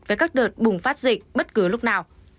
với các đợt bùng phát dịch bất cứ lúc nào